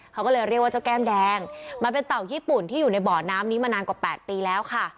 เขาก็เลยเรียกว่าเจ้าแก้มแดงมันเป็นเต่าญี่ปุ่นที่อยู่ในบ่อน้ำนี้มานานกว่า๘ปีแล้วค่ะ